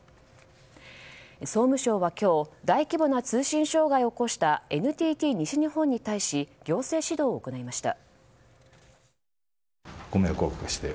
総務省は今日大規模な通信障害を起こしたＮＴＴ西日本に対し行政指導を行いました。